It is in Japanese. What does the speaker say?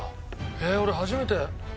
えっ俺初めて。